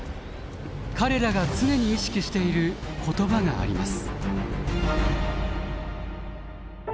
彼らが常に意識している言葉があります。